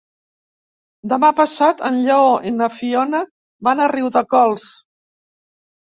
Demà passat en Lleó i na Fiona van a Riudecols.